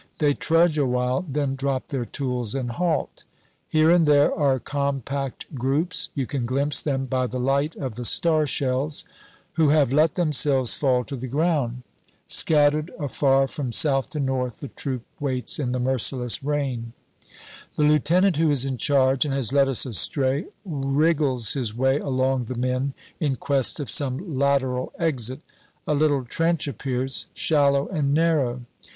They trudge awhile, then drop their tools and halt. Here and there are compact groups you can glimpse them by the light of the star shells who have let themselves fall to the ground. Scattered afar from south to north, the troop waits in the merciless rain. The lieutenant who is in charge and has led us astray, wriggles his way along the men in quest of some lateral exit. A little trench appears, shallow and narrow.